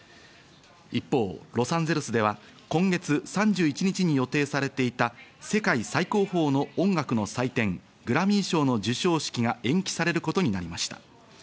一方、ロサンゼルスでは今月３１日に予定されていた世界最高峰の音楽の祭典、グラミー賞の授賞式が延期されることになりました。